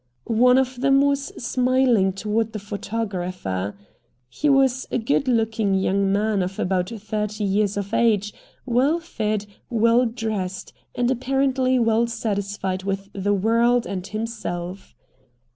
One of them was smiling toward the photographer. He was a good looking young man of about thirty years of age, well fed, well dressed, and apparently well satisfied with the world and himself.